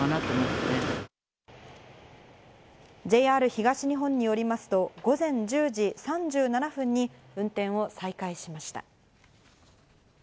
ＪＲ東日本によりますと午前１０時３７分に運転を再開しました。